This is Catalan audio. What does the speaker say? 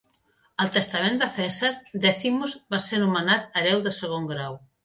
Al testament de Cèsar, Decimus va ser nomenat hereu de segon grau.